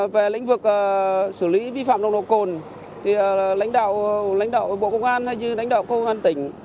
về lĩnh vực xử lý vi phạm nồng độ cồn thì lãnh đạo lãnh đạo bộ công an hay như lãnh đạo công an tỉnh